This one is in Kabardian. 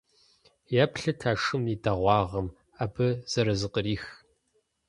Еплъыт а шым и дэгъуагъым! Абы зэрызыкърих!